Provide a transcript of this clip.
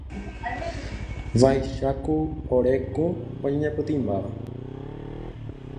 Vaicháku ore kũ oñeñapytĩmbáva.